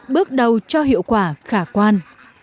bước đầu cho hiệu quả khả quan